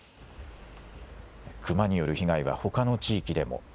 クマによる被害はほかの地域でも。